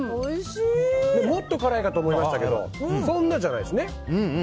もっと辛いかと思いましたけどそんなじゃないですね。